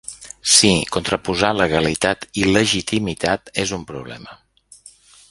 Sí, contraposar legalitat i legitimitat és un problema.